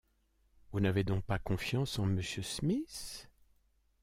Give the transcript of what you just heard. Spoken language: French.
Vous n’avez donc pas confiance en Monsieur Smith ?